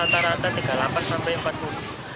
rata rata tiga puluh delapan sampai empat puluh